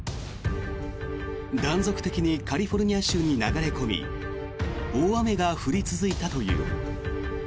断続的にカリフォルニア州に流れ込み大雨が降り続いたという。